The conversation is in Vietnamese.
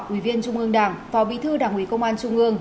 ủy viên trung ương đảng phó bí thư đảng ủy công an trung ương